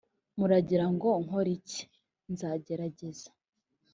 muragira ngo nkore iki? nzagerageza